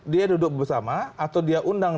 dia duduk bersama atau dia undang